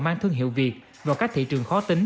mang thương hiệu việt vào các thị trường khó tính